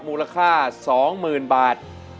มูลค่าสองหมื่นบาท